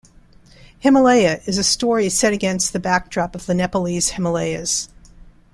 Himalaya is a story set against the backdrop of the Nepalese Himalayas.